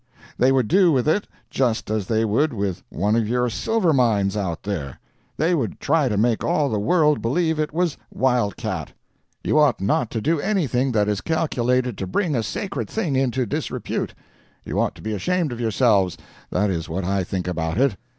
They would do with it just as they would with one of your silver mines out there they would try to make all the world believe it was "wildcat." You ought not to do anything that is calculated to bring a sacred thing into disrepute. You ought to be ashamed of yourselves that is what I think about it.